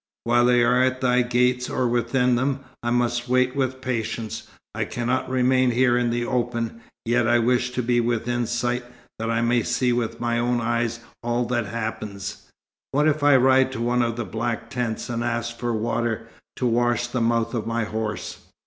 "While they are at thy gates, or within them, I must wait with patience. I cannot remain here in the open yet I wish to be within sight, that I may see with my own eyes all that happens. What if I ride to one of the black tents, and ask for water to wash the mouth of my horse?